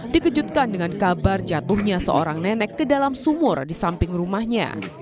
dikejutkan dengan kabar jatuhnya seorang nenek ke dalam sumur di samping rumahnya